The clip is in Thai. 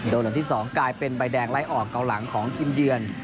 หลังที่๒กลายเป็นใบแดงไล่ออกเกาหลังของทีมเยือน